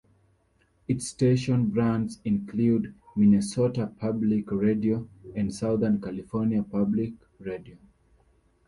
Its station brands include Minnesota Public Radio and Southern California Public Radio.